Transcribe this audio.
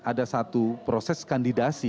ada satu proses kandidasi